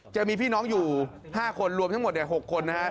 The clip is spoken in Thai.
จะมีพี่น้องอยู่๕คนรวมทั้งหมด๖คนนะฮะ